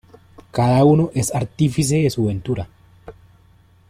Cada uno es artífice de su ventura.